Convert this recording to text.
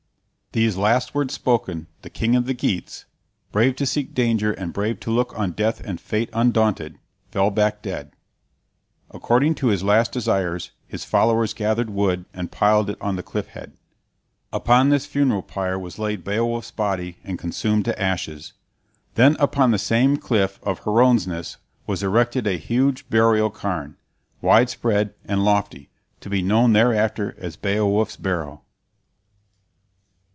These last words spoken, the king of the Geats, brave to seek danger and brave to look on death and Fate undaunted, fell back dead. According to his last desires, his followers gathered wood and piled it on the cliff head. Upon this funeral pyre was laid Beowulf's body and consumed to ashes. Then, upon the same cliff of Hronesness, was erected a huge burial cairn, wide spread and lofty, to be known thereafter as Beowulf's Barrow.